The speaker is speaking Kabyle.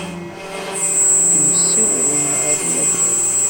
Ad kem-ssiwḍen ɣer unafag.